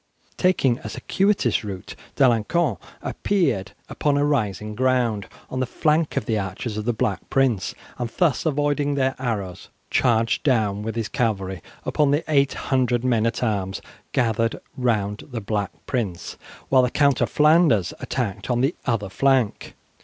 Taking a circuitous route, D'Alencon appeared upon a rising ground on the flank of the archers of the Black Prince, and thus, avoiding their arrows, charged down with his cavalry upon the 800 men at arms gathered round the Black Prince, while the Count of Flanders attacked on the other flank.